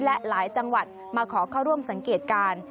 และหลายจังหวัดมาขอเข้าร่วมสังเกตการณ์